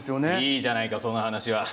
いいじゃないかその話は。